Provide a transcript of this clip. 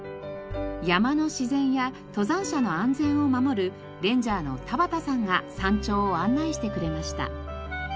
山の自然や登山者の安全を守るレンジャーの田畑さんが山頂を案内してくれました。